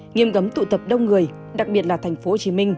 nghiêm cấm tụ tập đông người đặc biệt là tp hcm